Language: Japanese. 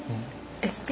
ＳＰ。